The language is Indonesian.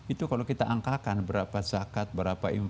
itu kalau kita angkakan berapa zakat berapa impor